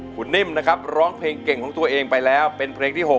คุณนิ่มนะครับร้องเพลงเก่งของตัวเองไปแล้วเป็นเพลงที่๖